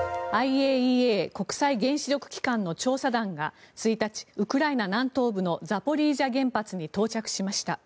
ＩＡＥＡ・国際原子力機関の調査団が１日ウクライナ南東部のザポリージャ原発に到着しました。